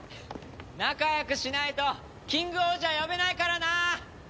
仲良くしないとキングオージャー呼べないからな！